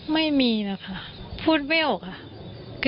ไม่มีนะผู้ไม่ออก